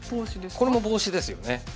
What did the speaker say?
これもボウシですよね。